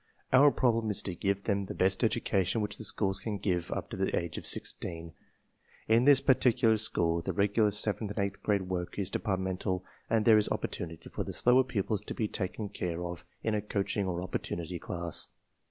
Our problem is to give them the best education which the schools can give up to the age of sixteen. In this particular school the regular seventh and eighth grade work is departmental and there is opportunity for the slower pupils to be taken care of in a coaching or opportunity class.